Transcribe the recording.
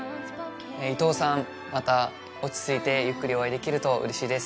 伊藤さんまた落ち着いてゆっくりお会いできるとうれしいです。